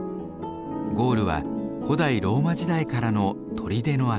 ゴールは古代ローマ時代からの砦の跡。